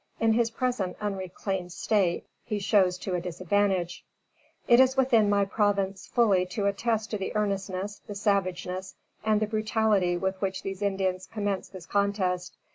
In his present unreclaimed state, he shows to a disadvantage. It is within my province fully to attest to the earnestness, the savageness and the brutality with which these Indians commenced this contest.